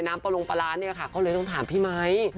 น้ำปลาลงปลาร้านก็เลยต้องถามพี่ไมค์